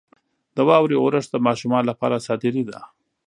• د واورې اورښت د ماشومانو لپاره ساتیري ده.